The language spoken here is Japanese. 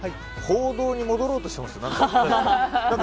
報道に戻ろうとしてますか佐野さん。